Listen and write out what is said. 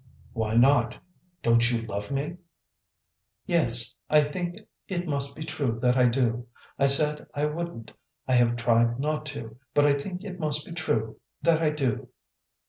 "Why not? Don't you love me?" "Yes. I think it must be true that I do. I said I wouldn't; I have tried not to, but I think it must be true that I do."